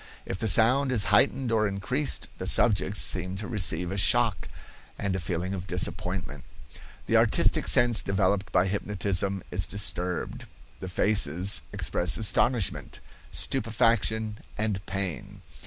If the sound is heightened or increased, the subjects seem to receive a shock and a feeling of disappointment. The artistic sense developed by hypnotism is disturbed; the faces express astonishment, stupefaction and pain.